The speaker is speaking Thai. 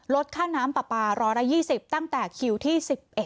ลดค่าน้ำปลาปลา๑๒๐ตั้งแต่คิวที่๑๑